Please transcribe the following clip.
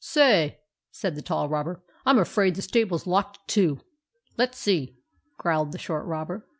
" Say !" said the tall robber. " I 'm afraid the stable 's locked too." " Let 's see," growled the short robber.